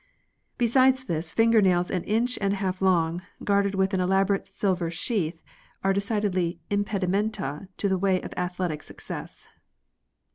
Besides this, finger nails an inch and a half long, guarded with an elaborate silver sheath, are decidedly impedimenta in the way of athletic success.